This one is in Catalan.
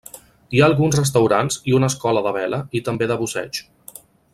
Hi ha alguns restaurants i una escola de vela i també de busseig.